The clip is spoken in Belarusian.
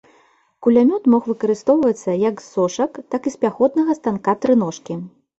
Кулямёт мог выкарыстоўвацца як з сошак, так і з пяхотнага станка-трыножкі.